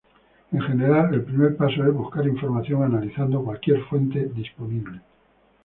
En general, el primer paso es buscar información analizando cualquier fuente disponible.